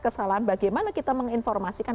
kesalahan bagaimana kita menginformasikan